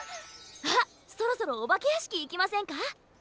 あっそろそろおばけやしきいきませんか？